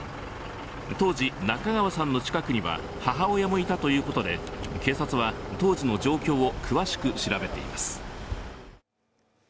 当時、中川さんの近くには母親もいたということで警察は当時の状況を詳しく調べています。